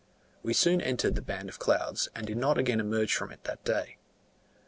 We soon entered the band of clouds, and did not again emerge from it that day.